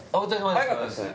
早かったですね。